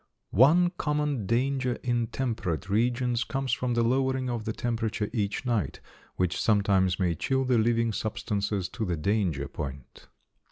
] One common danger in temperate regions comes from the lowering of the temperature each night, which sometimes may chill the living substances to the danger point.